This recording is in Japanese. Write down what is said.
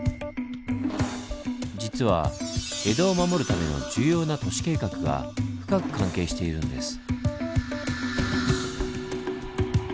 実は江戸を守るための重要な都市計画が深く関係しているんです。